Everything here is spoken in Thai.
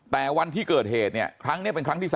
แต่วันที่เกิดเหตุเนี่ยครั้งนี้เป็นครั้งที่๓